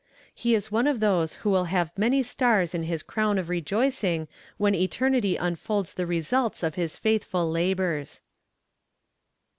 He is one of those who will have many stars in his crown of rejoicing when eternity unfolds the results of his faithful labors.